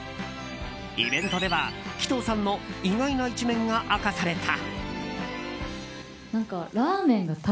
イベントでは、鬼頭さんの意外な一面が明かされた。